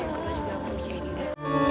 yang kemudian juga aku percaya dia